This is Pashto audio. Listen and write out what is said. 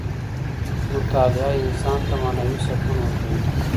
مطالعه انسان ته معنوي سکون ورکوي.